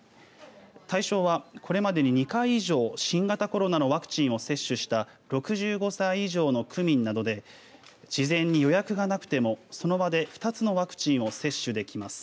対象は、これまでに２回以上新型コロナのワクチンを接種した６５歳以上の区民などで事前に予約がなくてもその場で２つのワクチンを接種できます。